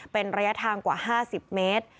เป็นระยะทางกว่า๕๐เมตร